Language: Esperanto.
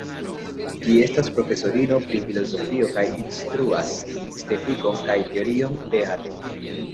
Ŝi estas profesorino pri filozofio kaj instruas estetikon kaj teorion de arto.